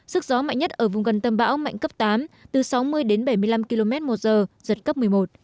sức gió mạnh nhất ở vùng gần tâm bão mạnh cấp tám từ sáu mươi đến bảy mươi năm km một giờ giật cấp một mươi một